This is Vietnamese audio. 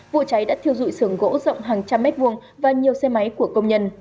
vụ cháy đã thiêu dụi sườn gỗ rộng hàng trăm mét vuông và nhiều xe máy của công nhân